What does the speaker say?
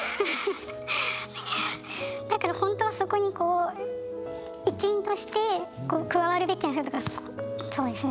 だからほんとはそこにこう一員としてこう加わるべきそうですね。